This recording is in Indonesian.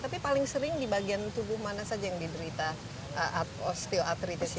tapi paling sering di bagian tubuh mana saja yang diderita osteoartritis ini